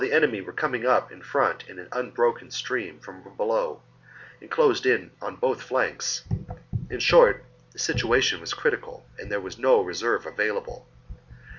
c. enemy were coming up in front in an unbroken stream from below, and closing in on both flanks : in short, the situation was critical and there was no reserve, available.